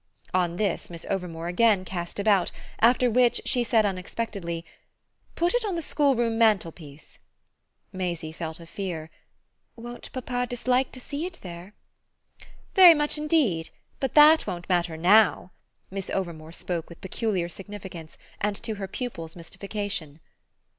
On this Miss Overmore again cast about; after which she said unexpectedly: "Put it on the schoolroom mantelpiece." Maisie felt a fear. "Won't papa dislike to see it there?" "Very much indeed; but that won't matter NOW." Miss Overmore spoke with peculiar significance and to her pupil's mystification.